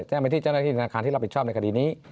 ไปที่เจ้าหน้าที่ธนาคารที่รับผิดชอบในคดีนี้